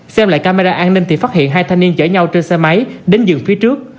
xem lại camera an ninh thì phát hiện hai thanh niên chở nhau trên xe máy đến giường phía trước